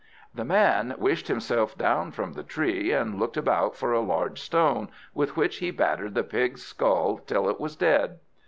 The man wished himself down from the tree, and looked about for a large stone, with which he battered the pig's skull till it was dead.